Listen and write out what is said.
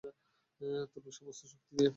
তোর সমস্ত শক্তি দিয়ে।